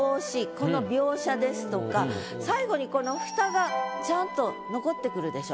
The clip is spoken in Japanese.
この描写ですとか最後にこの「蓋」がちゃんと残ってくるでしょ。